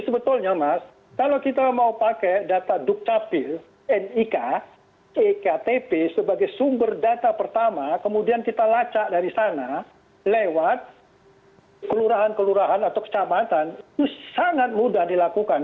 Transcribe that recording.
sebetulnya mas kalau kita mau pakai data dukcapil nik ektp sebagai sumber data pertama kemudian kita lacak dari sana lewat kelurahan kelurahan atau kecamatan itu sangat mudah dilakukan